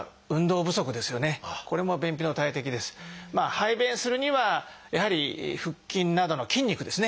排便するにはやはり腹筋などの筋肉ですね。